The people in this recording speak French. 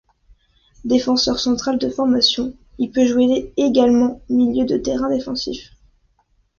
Défenseur central de formation, il peut jouer également milieu de terrain défensif.